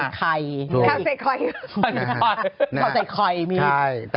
แล้วใช่ทีมี๓๒ค่ะ